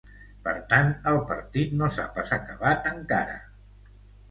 Per tant, el partit no s’ha pas acabat, encara.